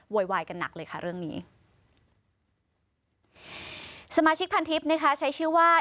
วายกันหนักเลยค่ะเรื่องนี้สมาชิกพันทิพย์นะคะใช้ชื่อว่า